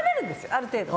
ある程度。